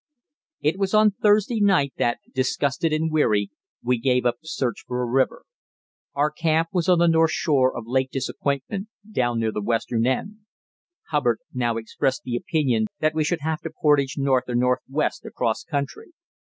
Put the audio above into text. It was on Thursday night that, disgusted and weary, we gave up the search for a river. Our camp was on the north shore of Lake Disappointment, down near the western end. Hubbard now expressed the opinion that we should have to portage north or northwest across country.